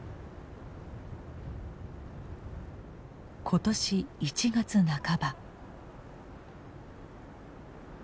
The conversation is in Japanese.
今年１月半ば。